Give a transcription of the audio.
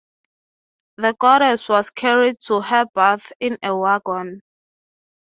The goddess was carried to her bath in a wagon.